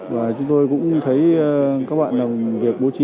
và chúng tôi cũng thấy các bạn làm việc bố trí